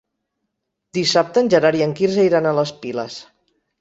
Dissabte en Gerard i en Quirze iran a les Piles.